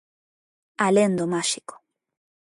Alén do máxico.